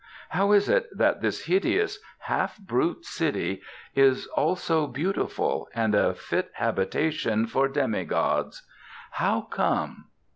How is it that this hideous, half brute city is also beautiful and a fit habitation for demi gods? How come?